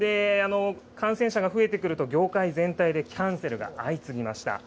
感染者が増えてくると、業界全体でキャンセルが相次ぎました。